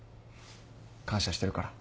感謝してるから。